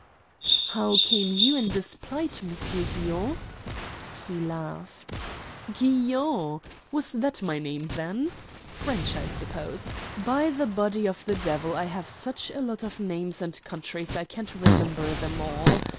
"How came you in this plight, M. Guion?" He laughed. "Guion? Was that my name then? French, I suppose. By the body of the devil, I have such a lot of names and countries I can't remember them all.